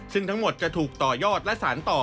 ซึ่งทั้งหมดจะถูกต่อยอดและสารต่อ